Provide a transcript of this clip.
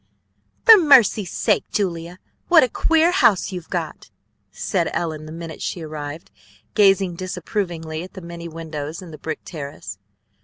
"For mercy's sake, Julia, what a queer house you've got!" said Ellen the minute she arrived, gazing disapprovingly at the many windows and the brick terrace.